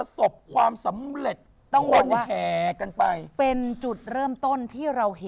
สวัสดีครับ